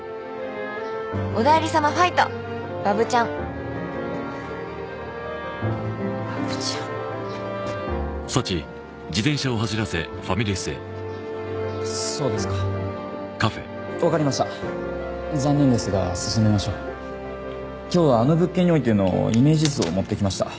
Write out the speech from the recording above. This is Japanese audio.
本当にここがなかったらわぶちゃんそうですかわかりました残念ですが進めましょう今日はあの物件においてのイメージ図を持ってきました